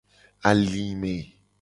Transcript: Alime.